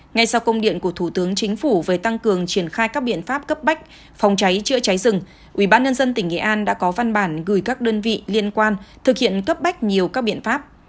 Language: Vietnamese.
ngay sau công điện của thủ tướng chính phủ về tăng cường triển khai các biện pháp cấp bách phòng cháy chữa cháy rừng ubnd tỉnh nghệ an đã có văn bản gửi các đơn vị liên quan thực hiện cấp bách nhiều các biện pháp